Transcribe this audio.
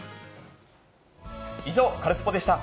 以上、カルスポっ！でした。